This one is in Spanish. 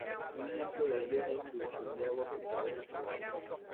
Un ejemplo de ello es la distribución de agua potable en las ciudades.